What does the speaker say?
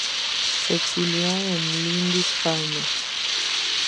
Se exilió en Lindisfarne.